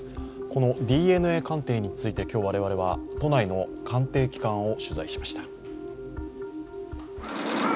このＤＮＡ鑑定について今日、我々は都内の鑑定機関を取材しました。